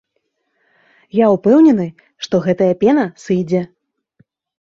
Я ўпэўнены, што гэтая пена сыдзе.